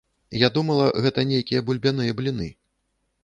Я думала, гэта нейкія бульбяныя бліны.